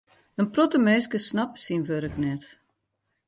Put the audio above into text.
In protte minsken snappe syn wurk net.